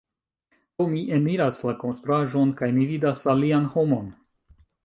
Do mi eniras la konstruaĵon kaj mi vidas alian homon.